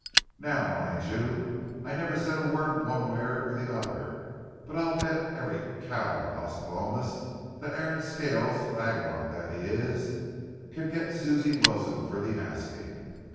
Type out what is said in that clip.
Now, mind you, I never said a word one way or the other, but I'll bet every cow on Las Palomas that Aaron Scales, vagabond that he is, can get Susie Wilson for the asking.